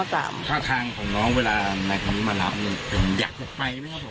ท่าทางของน้องเวลาในครั้งนี้มาหลังอยากจะไปไหมครับผม